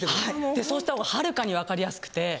そうした方がはるかにわかりやすくて。